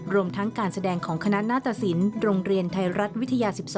รวมทั้งการแสดงของคณะหน้าตสินโรงเรียนไทยรัฐวิทยา๑๒